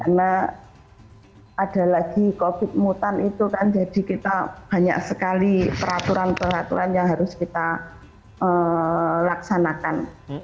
karena ada lagi covid mutan itu kan jadi kita banyak sekali peraturan peraturan yang harus kita laksanakan